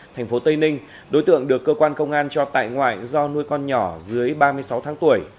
thành phố tây ninh đối tượng được cơ quan công an cho tại ngoại do nuôi con nhỏ dưới ba mươi sáu tháng tuổi